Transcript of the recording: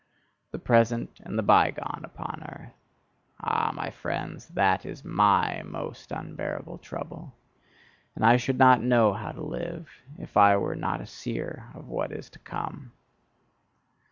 The present and the bygone upon earth ah! my friends that is MY most unbearable trouble; and I should not know how to live, if I were not a seer of what is to come.